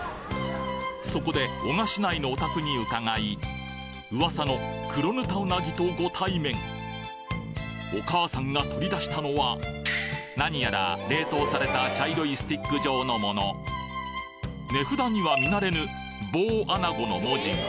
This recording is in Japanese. そこで男鹿市内のお宅に伺い噂のお母さんが取り出したのは何やら冷凍された茶色いスティック状のもの値札には見慣れぬ棒あなごの文字